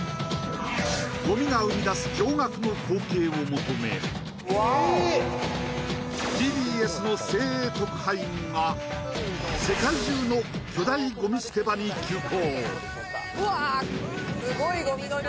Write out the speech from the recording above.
ごみが生み出す驚がくの光景を求め、ＴＢＳの精鋭特派員が世界中の巨大ごみ捨て場に急行。